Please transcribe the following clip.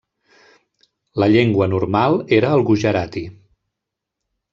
La llengua normal era el gujarati.